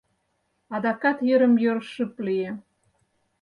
Адакат йырым-йыр шып лие.